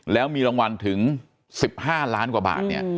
แล้วมีรางวัลถึง๑๕ล้านกว่าบาทเนี่ย